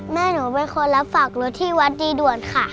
แม่หนูเป็นคนรับฝากรถที่วัดดีด่วนค่ะ